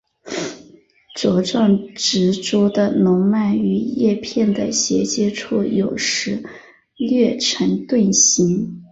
茁壮植株的笼蔓与叶片的衔接处有时略呈盾形。